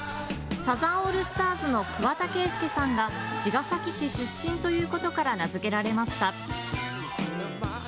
サザンオールスターズの桑田佳祐さんが茅ヶ崎市出身ということから名付けられました。